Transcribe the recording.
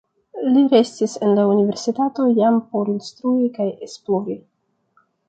Li restis en la universitato jam por instrui kaj esplori.